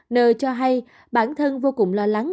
n cho hay bản thân vô cùng lo lắng